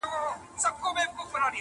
لا ترڅو به وچ په ښاخ پوري ټالېږم٫